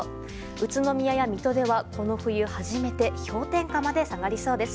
宇都宮や水戸では、この冬初めて氷点下まで下がりそうです。